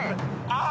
あ！